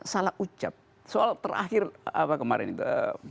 salah ucap soal terakhir apa kemarin itu